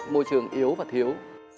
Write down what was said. môi trường yếu và thiếu